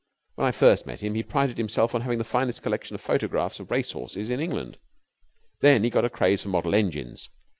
When I first met him he prided himself on having the finest collection of photographs of race horses in England. Then he got a craze for model engines.